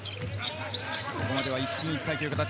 ここまで一進一退という形。